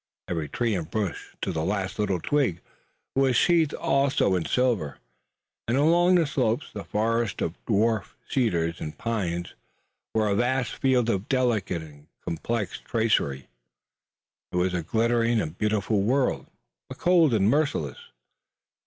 Every tree and bush, to the last little twig, was sheathed also in silver, and along the slopes the forests of dwarfed cedar and pines were a vast field of delicate and complex tracery. It was a glittering and beautiful world, but cold and merciless.